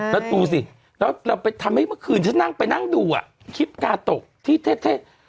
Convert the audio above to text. แล้วดูสิแล้วเราไปทำให้เมื่อคืนฉันนั่งไปนั่งดูอ่ะคลิปกาตกที่เทศ